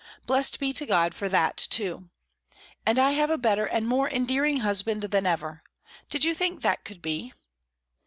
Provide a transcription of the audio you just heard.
Blessed be God for that too! And I have a better and more endearing husband than ever. Did you think that could be?